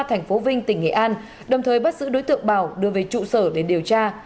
thành phố vinh tỉnh nghệ an đồng thời bắt giữ đối tượng bảo đưa về trụ sở để điều tra